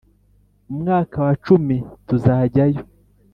Mu mwaka wa cumi tuzajyayo